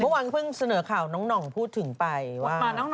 เมื่อวานก็เพิ่งเสนอข่าวน้องหน่องพูดถึงไปว่า